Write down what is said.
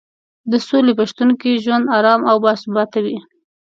د سولې په شتون کې ژوند ارام او باثباته وي.